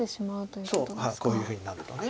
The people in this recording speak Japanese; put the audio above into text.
そうこういうふうになると。